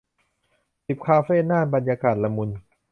สิบ คาเฟ่น่าน บรรยากาศละมุน